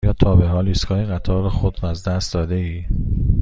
آیا تا به حال ایستگاه قطار خود را از دست داده ای؟